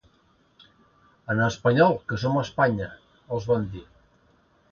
“En espanyol, que som a Espanya”, els van dir.